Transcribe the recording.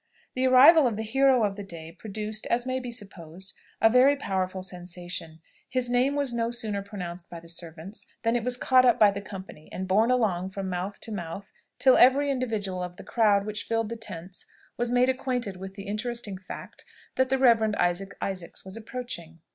The arrival of the hero of the day produced, as may be supposed, a very powerful sensation; his name was no sooner pronounced by the servants than it was caught up by the company, and borne along from mouth to mouth till every individual of the crowd which filled the tents was made acquainted with the interesting fact, that the Reverend Isaac Isaacs was approaching.